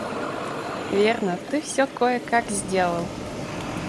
Верно, ты всё кое-как сделал.